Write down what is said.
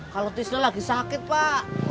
kalau tisle lagi sakit pak